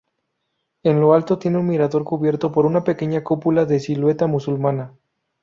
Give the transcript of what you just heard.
En lo alto tiene un mirador cubierto por una pequeña cúpula de silueta musulmana.